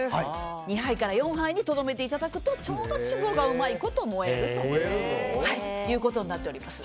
２杯から４杯にとどめていただくとちょうど脂肪がうまいこと燃えるということになっております。